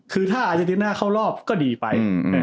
คือถ้าอาเจนติน่าเข้ารอบก็ดีไป